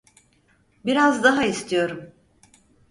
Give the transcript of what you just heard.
Biraz daha istiyorum.